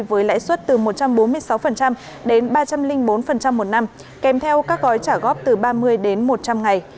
với lãi suất từ một trăm bốn mươi sáu đến ba trăm linh bốn một năm kèm theo các gói trả góp từ ba mươi đến một trăm linh ngày